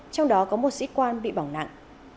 trong đó có một sĩ quan bị bỏng nặng